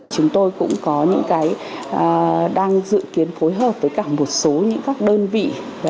chúng tôi cũng có những cái đang dự kiến phối hợp với cả một số những các đơn vị